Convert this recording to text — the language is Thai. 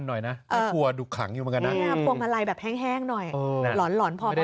หน่อยนะฮันดูขังอยู่มันจะแบบแห้งหน่อยน่ะลอนไม่ได้